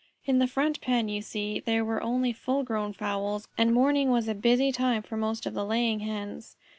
In the front pen, you see, there were only full grown fowls, and morning was a busy time for most of the laying Hens.